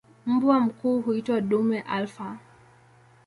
Mbwa mkuu huitwa "dume alfa".